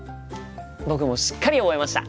僕もしっかり覚えました！